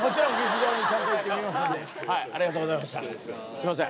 すいません！